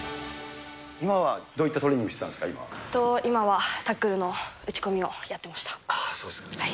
今はどういったトレーニング今はタックルの打ち込みをやああ、そうですか。